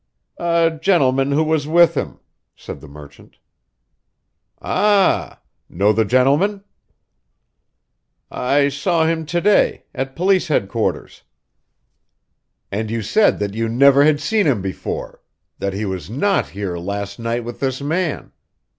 "A gentleman who was with him," said the merchant. "Ah! Know the gentleman?" "I saw him to day at police headquarters." "And you said that you never had seen him before that he was not here last night with this man.